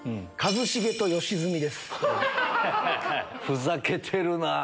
ふざけてるなぁ。